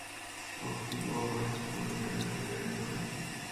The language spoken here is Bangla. ও কী ও, হঠাৎ তোমার বেদনাটা বেড়ে উঠল নাকি।